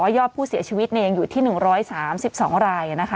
ยอดผู้เสียชีวิตยังอยู่ที่๑๓๒ราย